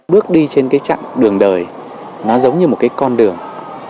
bước đi trên cái chặng đường đời nó giống như một cái con đường